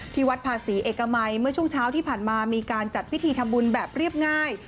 วัดภาษีเอกมัยเมื่อช่วงเช้าที่ผ่านมามีการจัดพิธีทำบุญแบบเรียบง่าย